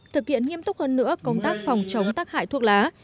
thực hiện nghiêm túc hơn nữa công tác phòng chống tắc hại thuốc lá